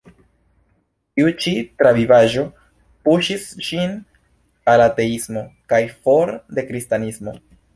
Tiu ĉi travivaĵo puŝis ŝin al ateismo kaj for de Kristanismo.